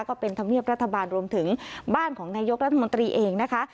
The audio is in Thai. ก็เป็นธรรมเนียบรัฐบาลรวมถึงบ้านของนายกรัฐมนตรีเองนะคะ